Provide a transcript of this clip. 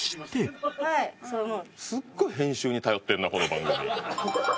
すごい編集に頼ってんなこの番組。